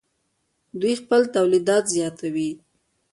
دوی خپل تولیدات زیاتوي.